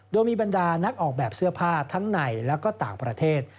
โดยมีบรรดานักออกแบบเสื้อผ้าทั้งในและก็ต่างประเทศ